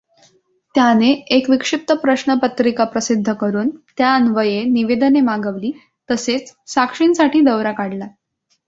त्याने एक विक्षिप्त प्रश्नपत्रिका प्रसिद्ध करून त्या अन्वये निवेदने मागवली, तसेच साक्षींसाठी दौरा काढला.